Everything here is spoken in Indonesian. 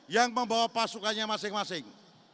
yang membawa pasukannya masing masing